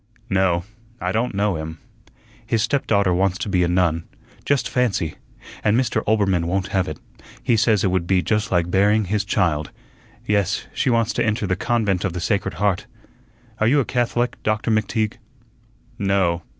"No, I don' know him." "His stepdaughter wants to be a nun. Just fancy! And Mr. Oelbermann won't have it. He says it would be just like burying his child. Yes, she wants to enter the convent of the Sacred Heart. Are you a Catholic, Doctor McTeague?" "No.